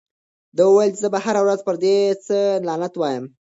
ده وویل چې زه به هره ورځ پر دې څېره لعنت وایم.